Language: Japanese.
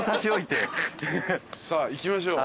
さあ行きましょう。